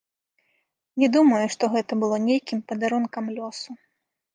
Не думаю, што гэта было нейкім падарункам лёсу.